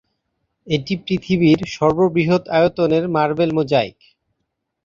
এটি পৃথিবীর সর্ববৃহৎ আয়তনের মার্বেল মোজাইক।